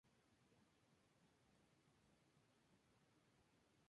Cuya cabecera municipal es la localidad de Mineral del Monte.